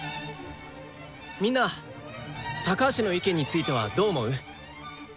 みんな高橋の意見についてはどう思う？